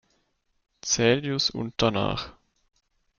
Caelius und danach?